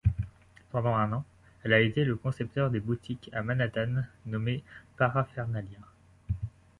Pendant un an, elle a été le concepteur des boutiques à Manhattan nommées Paraphernalia.